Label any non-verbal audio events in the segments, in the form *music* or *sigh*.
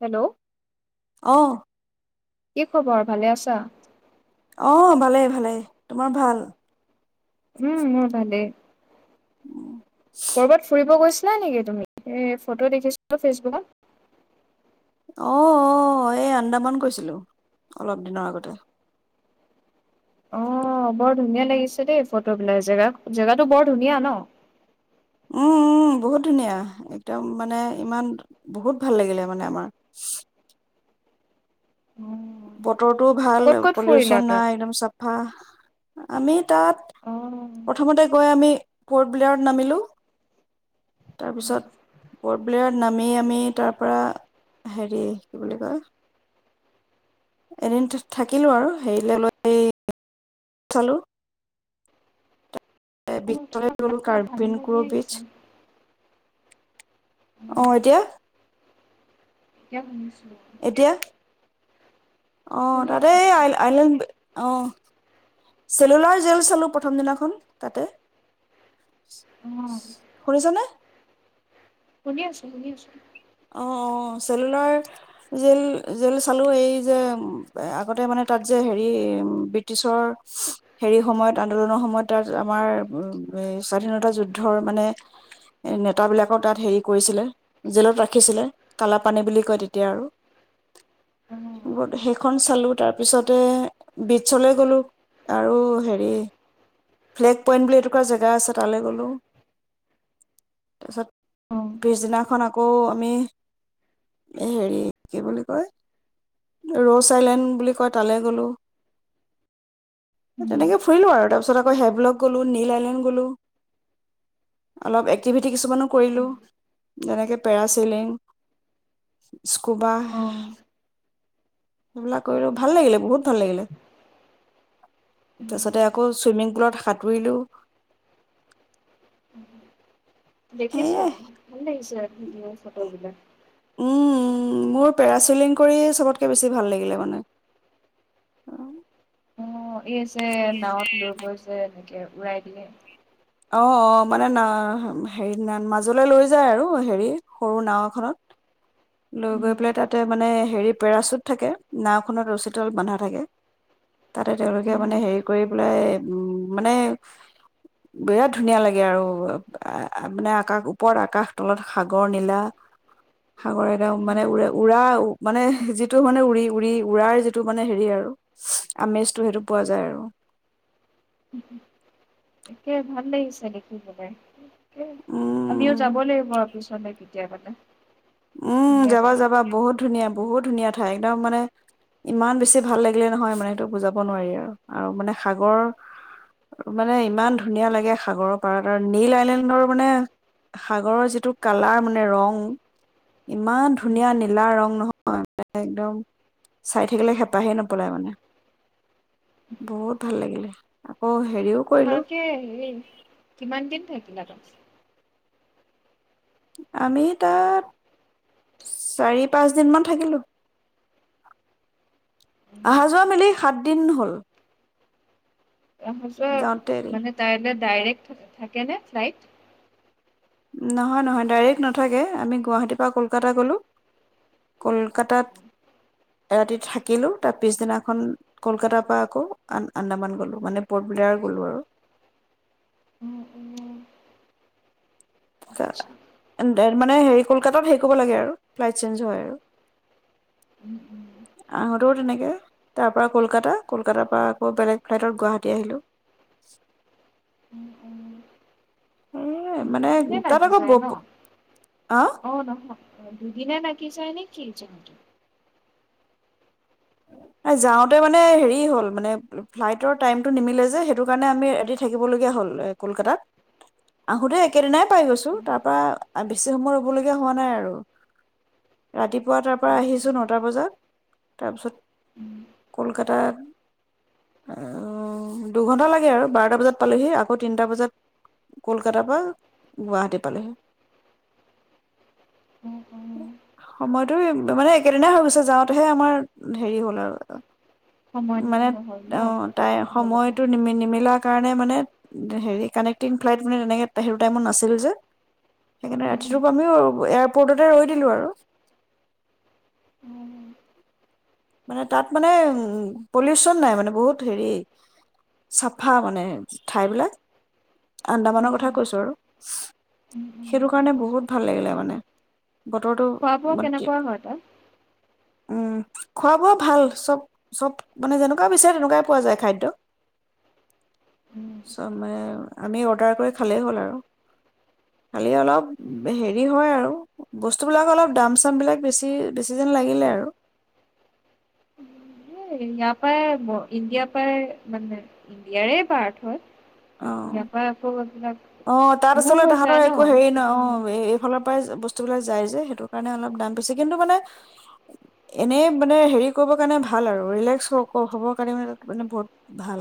Hello, অহ', কি খবৰ ভালে আছা? অহ', ভালেই- ভালেই তোমাৰ ভাল? উম', মোৰ ভালেই। কৰবাত ফুৰিব গৈছিল? নাই নেকি তুমি এই ফটো দেখিছিলো ফেচবুকত। অহ', - অহ', এই আন্দামান গৈছিলো অলপ দিনৰ আগতে। অহ', বৰ ধুনীয়া লাগিছে দেই ফটোবিলাই। জেগা জেগটো বৰ ধুনীয়া ন? উম', - উম', বহুত ধুনীয়া একদম মানে ইমান বহুত ভাল লাগিলে মানে আমাৰ। বতৰটোও ভাল ক'ত ক'ত ফুৰিলা পলিউচন তাত? নাই একদম চব বাহ', আমি তাত। অ, প্ৰথমতে গৈ আমি। কৰ্ট ব্লেয়ৰ্ড নামিলো। তাৰপিছত বৰব্লেয়াৰ। নামি আমি তাৰ পৰা হেৰি কি বুলি কয় এদিন থাকিলো আৰু হেৰিলৈ লৈ *unintelligible* চালো। বিদালয় *unintelligible* হল কিবা ভাঙি ভাঙি কাৰ্বনকুৰ বীচ। আহিছে। অ অহ', এতিয়া। *unintelligible* এতিয়া অ', শুনি আছো তাতেই এতিয়া। আই-আইলেণ্ড অ, চেলুলাৰ জেল চালো প্ৰথম দিনাখন তাতে। শুনিছানে অ'। শুনি আছো, শুনি আছো। অ', অ', চেলুলাৰ জেল-জেল চালো এই যে আগতে মানে তাত যে হেৰি ব্ৰিটিছৰ হেৰি সময়ত আন্দোলনৰ সময়ত তাত আমাৰ স্বাধীনতা যুদ্ধৰ মানে নেতাবিলাকৰ তাত হেৰি কৰিছিলে জেলত ৰাখ খিছিলে কালাপানি বুলি কয় তেতিয়া আৰু অ সেইখন চালো, তাৰ পিছত অ। আমি হেৰি কি বুলি কয়? ৰ'ছ আইলেণ্ড বুলি কয় তালৈ গ'লো। উম, তেনেকে ফুৰিলো আৰু তাৰপিছত আ হেব্লগ গলো, নীল আইলেণ্ড গলো, অলপ এক্তিভিতি কিছুমান ও কৰিলো। উম, যেনেকে পেৰাচিন- তিলিং স্কোবা অ, সেইবিলাক কৰিলো ভাল লাগিলে বহুত। ভাল লাগিলে। উম, তাৰপাছতে আকৌ ছুইমিং পুলত সাঁতুৰিলো। দেখিছো সেয়াই ভাল লাগিছে আৰু। ভিডিঅ ফটোবিলাক উম, মোৰ পেৰাছিলিলিং কৰিয়ে চবতকৈ বেছি ভাল লাগিলে মানে। আছে নাৱত লৈ গৈছে উৰাই দিয়ে অ', অ', মানে না-হেৰি মাজলৈ লৈ যায় আৰু হেৰি সৰু নাও এখনত। লৈ গৈ পেলাই তাতে মানে হেৰি পেৰাচুট থাকে নাওখনত ৰচীতলত বন্ধা থাকে তাতে তেওঁলোকে মানে অ', হেৰি কৰি পেলাই মানে বিৰাট ধুনীয়া লাগে আৰু মানে আকাশ ওপৰত আকাশ তলত সাগৰ নীলা। সাগৰ একদম মানে উম, উ-উৰা মানে যিটো মানে উৰি-উৰি উৰাৰ যিটো মানে হেৰি আৰু আমেজটো সেইটো পোৱা যায় আৰু। তাকে ভাল লাগিছে দেখি পেলাই। আমিও উম যাব লাগিব আৰু পিছলৈকে দে পান উম, যাবা-যাবা বহুত ধুনীয়া বহুত ধুনীয়া কথা একদম মানে ইমান বেছি ভাল লাগিলে নহয় মানে সেইটো বুজাব নোৱাৰি আৰু। আৰু মানে সাগৰৰ মানে ইমান ধুনীয়া লাগে সাগৰৰ পাৰত আৰু নীল আইলেণ্ডৰ মানে সাগৰৰ যিটো কালাৰ মানে ৰং, ইমান ধুনীয়া নীলা ৰং নহয় একদম চাই থাকিলে হেঁপাহে নপলায় মানে। বহুত ভাল লাগিলে। আকৌ হেৰিও কৰিলো তোমালোকে হে কিমান দিন থাক *unintelligible* আমি তাত চাৰি-পাঁচ দিন মান থাকিলো। অহা যোৱা মিলি সাত দিন হল। আহা-যোৱা যাওঁতে মানে তাইলে ডাইৰেক্ট থাকে নে ফ্লাইট? নহয় নহয় ডাইৰেক্ট নাথাকে আমি গুৱাহাটীৰ পৰা কলকাতা গলো কলকাতাত ৰাতি থাকিলো তাৰ পিছদিনাখন কলকাতাৰ পৰা আকৌ আন্দা আন্দামান গলো মানে পৰ্ট ব্লেয়াৰ গলো আৰু অ', অ', আচ্ছা, মানে হেৰি কলকাতাত হেই কৰি'ব লাগে আৰু ফ্লাইট চছেঞ্জ হয় আৰু উম, উম, আহোঁতেও তেনেকে তাৰ পৰা কলকাতা কলকাতাৰ পৰা আকৌ বেলেগ ফ্লাইটত গুৱাহাটী আহিলো উম, উম। উম লাগি যায় ন অ নহ অ দুদিনে লা কিছুমানে কি ত এ যাওঁতে মানে হেৰি হ'ল মানে ফ্লাইটৰ টাইমটো নিমিলে যে সেইটো কাৰণে আমি ৰাতি থাকিবলগীয়া হ'ল কলকাতাত আহোঁতে একেদিনাই পাই গৈছো উম, তাৰ পৰা বেছি সময় ৰ'বলগীয়া হোৱা নাই আৰু ৰাতিপুৱা তাৰ পৰা উম, উম, আহিছো নটা বজাত তাৰপিছত উম। কলকাতাত অঅহহ দুঘন্টা লাগে আৰু বাৰটা বজাত পালোহি আকৌ তিনটা বজাত কলকাতাৰ পৰা গুৱাহাটী পালোহি অ অ সময়টো মানে একেদিনাই হৈ গৈছে যাওঁতেহে আমাৰ হেৰি হ'ল আৰু সময়টো মানে নহ'ল ন অ তাই ৰখিব লগা সময়তটো হ'ল। নিমি নিমিলাক কাৰণে মানে হেৰি কানেক্টিং ফ্লাইট মানে তেনেকে সেইটো টাইমত নাছিলে যে সেইকাৰণে উম ৰাতিটোৰোক আমিও এয়াৰপৰ্টতে ৰৈ দিলো আও অ মানে তাত মানে পলিউচন নাই মানে বহুত হেৰি চাফা মানে ঠাইবিলাক আন্দামানৰ উম কথা কৈছো আৰু উম উম সেইটো গম কাৰণে বহুত পাইছোঁ ভাল লাগিলে মানে খোৱা বোৱা বতৰটো কেনেকুৱা হয় তাত উম খোৱা বোৱা ভাল চব চব মানে যেনেকুৱা বিচাৰে তেনেকুৱাই পোৱা যায় খাদ্য উম চব মানে আমি অৰ্ডাৰ কৰি খালেই হ'ল আৰু খালি অলপ হেৰি হয় আৰু বস্তুবিলাক অলপ দাম চামবিলাক বেছি বেছি যেন লাগিলে আৰু ইয়াৰ পৰাই ইণ্ডিয়াৰ পৰাই মানে ইণ্ডিয়াৰে পাৰট অ হয় ইয়াপা আকৌ আপোনাক অ তাত আচলতে তাহাঁতৰ একো হেৰি নহ অ এইফালত বস্তুবিলাক যাই যে সেইটো কাৰণে অলপ দাম বেচি কিন্তু মানে এনেই মানে হেৰি কৰিবৰ কাৰণে ভাল আৰু ৰিলেক্স হ'বৰ কাৰণে মানে বহুত ভাল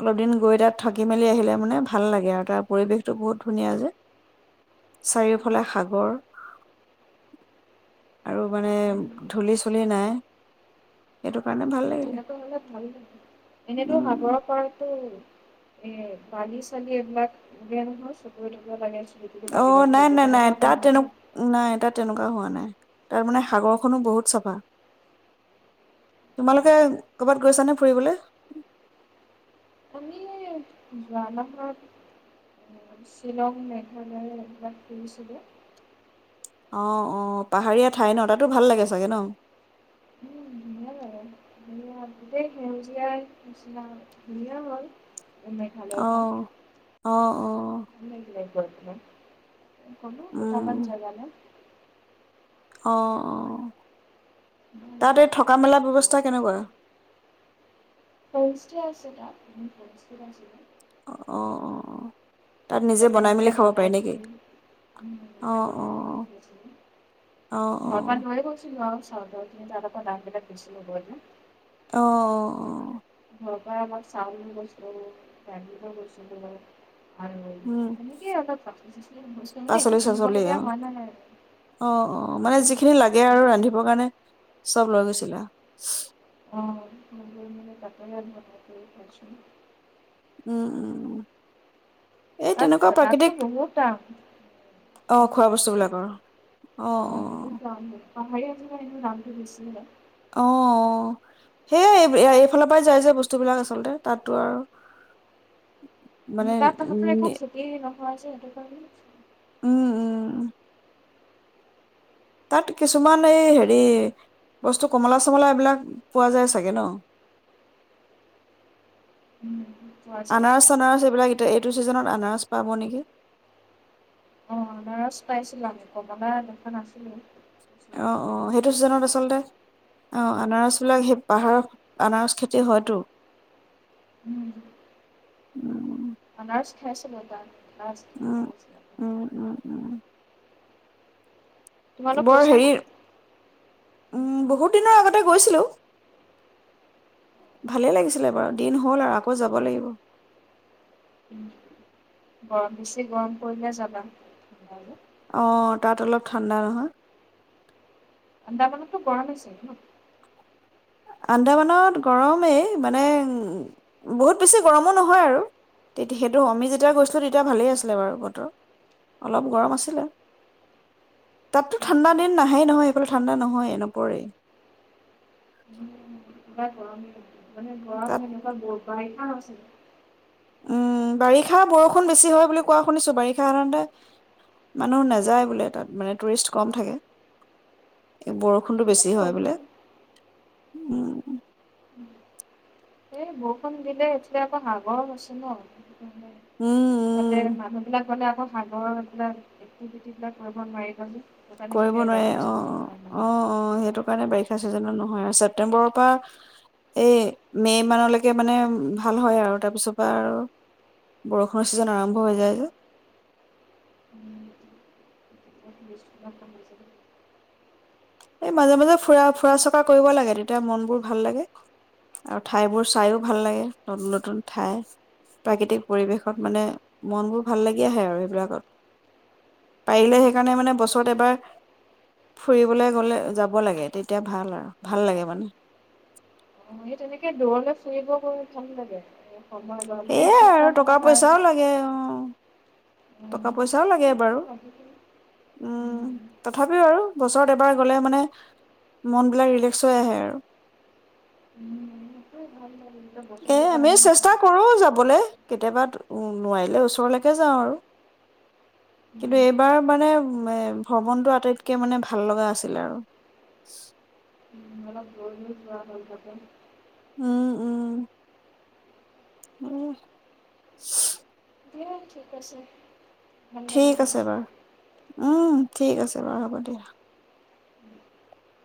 অলপ দিন গৈ তাত থাকি মেলি আহিলে মানে ভাল লাগে আৰু তাৰ পৰিৱেশটো বহুত ধুনীয়া যে চাৰিওফালে সাগৰ আৰু মানে উম, ধূলি চুলি নাই সেইটো কাৰণে ভাল লাগিলে তেনেকা হলে ভাল লাগে এনেতো উম সাগৰ পৰাতটো এ বালি চালি এইবিলাক নহয় নহয় চকুয়ে তকুয়ে লাগে চ অ নাই নাই নাই তাত তেনে নাই তাত তেনেকুৱা হোৱা নাই তাৰ মানে সাগৰখনো বহুত চাফা তোমালোকে কৰ'বাত গৈছানে ফুৰিবলৈ আমি যোৱা মাহত শ্বিলং মেঘালয় এবিলাক ফুৰিছোগে অ অ পাহাৰীয়া ঠাই ন তাতো ভাল লাগে চাগে ন উম ধুনীয়া লাগে হেই হয় গোটেই সেউজীয়া নিচিনা ধুনীয়া হয় অহ অহ অহ ক *unintelligible* গলো কেতামান উম জাগা লে অ অ তাত এই থকা মেলা ব্যৱস্থা কেনেকুৱা তেষ্টে আছে তাত ভঠছ ৰাজি *unintelligible* অহ অ অ তাত তাতে বনাই নিজে মেলি খাব পাৰি বনাই থ নেকি অ' নিজে অ' বনাই মেলি থৈছিলো অ' অ' ঘৰৰ পৰা অ' লৈ গৈছিলো আৰু খিনি তাত অক দাম বিলাক বেছি লয় লয় ন অ অ ঘৰৰ পৰা আমাক চাউল গৈছিলোঁ ফেমিলি গৈছিলোঁ আৰু উম তেনেকে অলপ চাফি চাি হৈছো নানে পাচলি একো চাচলি কিনিবলগীয়া অ' হোৱা অ', অ', নাই মানে আৰু যিখিনি লাগে স চচ অ মে তাপ আৰু পাইছো উম উম উম আা তাতটোো বহুত দাম অ চব খোৱা বস্তুৱে বস্তুবিলাকৰ অ অ পাহাৰীয়াত কাৰ নামটো বেছি হয় অ সেইয়াই এই এইফালৰ পৰাই যায় যে বস্তুবিলাক আচলতে তাতো আৰু মানে তাত খাতাই উম খুব ছটি আহ ন হয়জটো কাৰ উম উম তাত কিছুমান এই হেৰি বস্তু কমলা চমলা এইবিলাক পোৱা যায় চাগে ন উম, পোৱা যায় আনাৰস চানাৰস এইবিলাক এতিয়া এইটো জোজনত আনাৰচ পাব নেকি অ নাৰাজ পাইছিলো আমি কবা এনেখা নাছিলো অ অ সেইটো চিজনত আচলতে আহ আনাৰস বিলাক সেই পাহাৰৰ আনাৰস খেতি হয়তো উম উম। আম খেছিল বতা উম উম উম উম তোমালোক বৰ হেৰি উম গৈছানে বহুত দিনৰ আগতে গৈছিলো ভালেই লাগিছিলে বাৰু দিন হ'ল আৰু আকৌ যাব লাগিব উ গৰম বেছি গৰম পৰিলে জাবা অ তাত অলপ ঠাণ্ডা নহয় আন্দামানতো কৰা় নছিল ন আন্দামানত গৰমেই মানে বহুত বেছি গৰমো নহয় আৰু তে সেইটো আমি যেতিয়া গৈছিলোঁ তেতিয়া ভালেই আছিলে বাৰু বতৰ অলপ গৰম আছিলে তাততো ঠাণ্ডা দিন নাহেই নহয় সেইফালে ঠাণ্ডা নহয়েই নপৰেই তাত গৰমে মানে গৰম তাত এনেকুৱা বৰপাহি খ উ উম বাৰিষা বৰষুণ বেছি হয় বুলি কোৱা শুনিছো বাৰিষা সাধাৰণতে মানুহ নাযায় বোলে তাত মানে টুৰিষ্ট কম থাকে। বৰ বৰষুণটো বেছি তেনেকুৱাতে হয় বোলে। বৰষুণ উম। এই বৰষুণ দিলে এতিয়া আকৌ সাগৰ আছে ন। উম তাতে উম মানুহ বিলাক গলে সাগৰ এইবিলাক এক্টিভিটি বিলাক কৰিব নোৱাৰি যদি কৰিব নোৱাৰে অ অ অ অ সেইটো কাৰণে বাৰিষা চিজনত ন হয় ছেপ্টেম্বৰৰ পৰা এই মে' মানলৈকে মানে ভাল হয় আৰু তাৰপিছৰ পৰা আৰু বৰষুণৰ ছিজন আৰম্ভ হৈ যায় যে উম। *unintelligible* এই মাজে মাজে ফুৰা ফুৰা চকা কৰিব লাগে তেতিয়া মন বোৰ ভাল লাগে আৰু ঠাইবোৰ চাইও ভাল লাগে নতুন নতুন ঠাই প্ৰাকৃতিক পৰিৱেশত মানে মন বোৰ ভাল লাগি আহে আৰু সেইবিলাকত পাৰিলে সেইকাৰণে মানে বছৰত এবাৰ ফুৰিবলে বলে যাব লাগে তেতিয়া ভাল আৰু ভাল লাগে মানে অ সেই তেনেকে দূৰলৈ ফুৰিব গৈ যাম লাগে সময় ল মানে সেইয়াই এসপ্তাহ আৰু টকা মানৰ কাৰণে পইচাও লাগে অ টকা পইচাও লাগে ভাল বাৰু লাগে উম এতিয়া তথাপিও আৰু বছৰত এবাৰ গ'লে মানে মনবিলাক ৰিলেক্স হৈ আহে আৰু এ বছৰটোৰ আমি কাৰণে চেষ্টা নহয় কৰো যাবলে কেতিয়াবা নোৱাৰিলে ওচৰলৈকে যাওঁ আৰু কিন্তু এইবাৰ মানে মেম ভ্ৰমণটো আটাইতকে মানে ভাল লগা আছিল আৰু অলপ ৰৈ মেলি যোৱা হ'ল তাকে উম উম সেয়ে দিয়া ঠিক আছে ভাল লাগিল ঠিক কথা আছে পাতি বাৰু উম ঠিক আছে হ'ব দিয়া উম